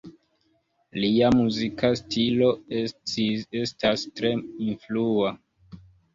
Lia muzika stilo estas tre influa.